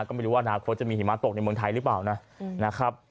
ก็ไม่รู้ว่าอนาคตจะมีหิมะตกในเมืองไทยหรือเปล่านะครับ